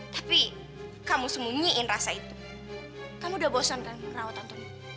tapi kamu sembunyiin rasa itu kamu udah bosan dengan ngerawat antoni